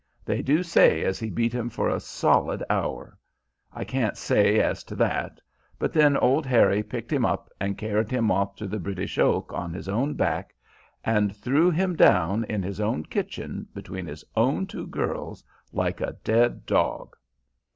They do say as he beat him for a solid hour; I can't say as to that, but then old Harry picked him up and carried him off to The British Oak on his own back, and threw him down in his own kitchen between his own two girls like a dead dog.